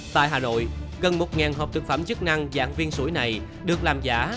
tại hà nội gần một hộp thực phẩm chức năng dạng viên sủi này được làm giả